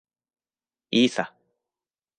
いいさ。